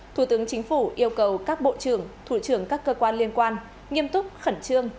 thủ tướng chính phủ yêu cầu các bộ trưởng thủ trưởng các cơ quan liên quan nghiêm túc khẩn trương